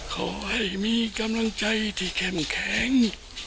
ขอให้มีกำลังใจที่เข้มแข็ง